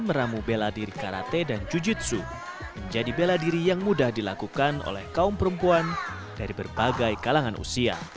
meramu bela diri karate dan jujitsu menjadi bela diri yang mudah dilakukan oleh kaum perempuan dari berbagai kalangan usia